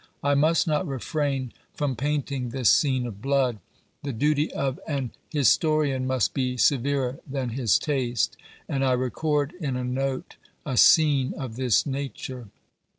I must not refrain from painting this scene of blood; the duty of an historian must be severer than his taste, and I record in the note a scene of this nature.